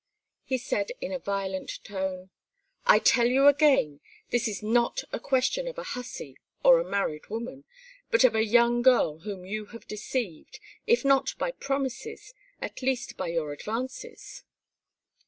He said in a violent tone: "I tell you again this is not a question of a hussy or a married woman, but of a young girl whom you have deceived, if not by promises, at least by your advances.